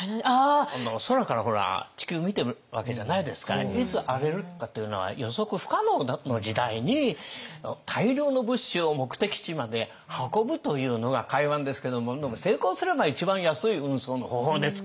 空からほら地球見てるわけじゃないですからいつ荒れるとかっていうのは予測不可能の時代に大量の物資を目的地まで運ぶというのが海運ですけど成功すれば一番安い運送の方法ですからね。